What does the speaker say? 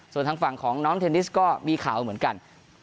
ส่วนทางฝั่งของน้องเทนนิสก็มีข่าวเหมือนกัน